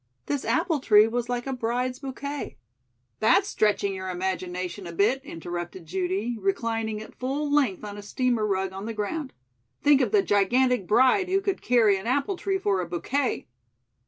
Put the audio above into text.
This apple tree was like a bride's bouquet." "That's stretching your imagination a bit," interrupted Judy, reclining at full length on a steamer rug on the ground. "Think of the gigantic bride who could carry an apple tree for a bouquet."